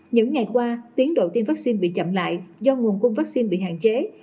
những ngày qua tiến độ tiêm vaccine bị chậm lại do nguồn cung vaccine bị hạn chế